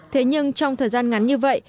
thế nhưng trong thời gian ngắn như vậy